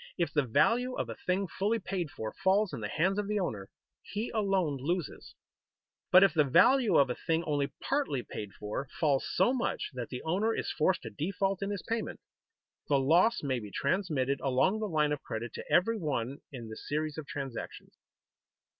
If the value of a thing fully paid for falls in the hands of the owner, he alone loses; but if the value of a thing only partly paid for falls so much that the owner is forced to default in his payment, the loss may be transmitted along the line of credit to every one in the series of transactions.